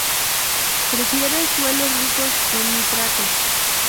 Prefiere suelos ricos en nitratos.